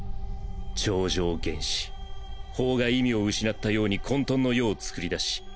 超常原始法が意味を失ったように混沌の世を創り出し